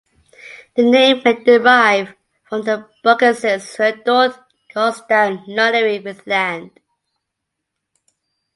The name may derive from the burgesses who endowed Godstow Nunnery with land.